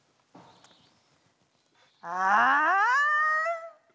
ああ？